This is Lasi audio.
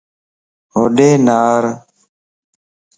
ھوڏي نارَ